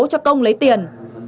cho công lấy tiền